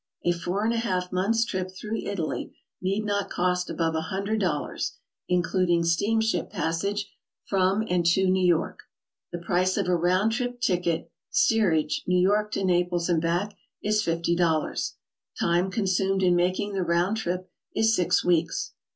A four and a half months' trip through Italy need not co&t above a hundred dollars, including steamship passage from and to New York. The price of a round trip ticket, steerage. New York to Naples and back, is fifty dollars; time consumed in making the round trip Is six weeks.